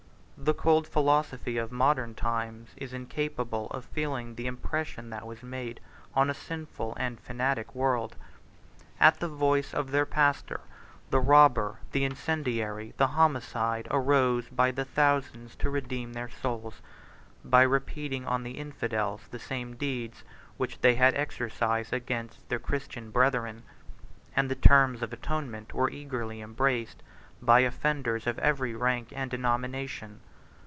28 The cold philosophy of modern times is incapable of feeling the impression that was made on a sinful and fanatic world. At the voice of their pastor, the robber, the incendiary, the homicide, arose by thousands to redeem their souls, by repeating on the infidels the same deeds which they had exercised against their Christian brethren; and the terms of atonement were eagerly embraced by offenders of every rank and denomination.